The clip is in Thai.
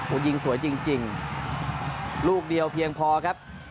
โอ้โหยิงสวยจริงลูกเดียวเพียงพอครับ